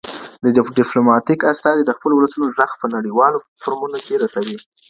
ډیپلوماټیک استازي د خپلو ولسونو ږغ په نړیوالو فورمونو کي رسوي.